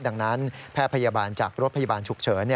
ดังนั้นแพทย์พยาบาลจากรถพยาบาลฉุกเฉิน